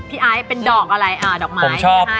พี่อ๋อมไม่ได้ครับ